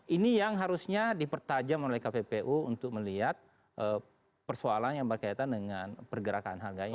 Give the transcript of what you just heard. ini yang harusnya dipertajam oleh kppu untuk melihat persoalan yang berkaitan dengan pergerakan harganya